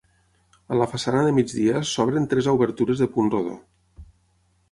A la façana de migdia s'obren tres obertures de punt rodó.